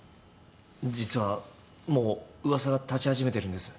実はもう噂が立ち始めてるんです。